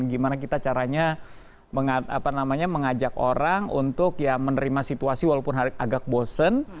gimana kita caranya mengajak orang untuk ya menerima situasi walaupun agak bosen